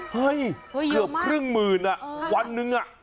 เฮ้ยเกือบครึ่งหมื่นอ่ะวันหนึ่ง